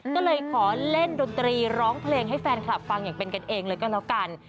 ก็เลยขอเล่นดนตรีร้องเพลงให้แฟนคลับฟังอย่างเป็นกันเองเลยก็แล้วกัน